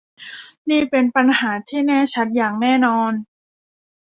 นี่เป็นปัญหาที่แน่ชัดอย่างแน่นอน